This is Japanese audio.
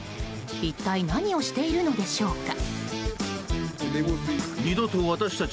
一体何をしているのでしょうか。